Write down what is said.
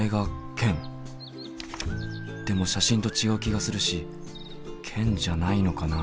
でも写真と違う気がするしケンじゃないのかな？